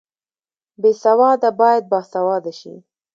بې سواده باید باسواده شي